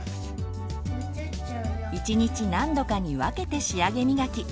１日何度かに分けて仕上げみがき。